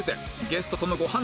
ゲストとのご飯